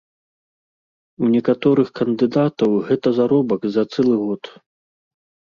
У некаторых кандыдатаў гэта заробак за цэлы год.